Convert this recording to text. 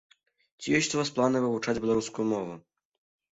Ці ёсць у вас планы вывучаць беларускую мову?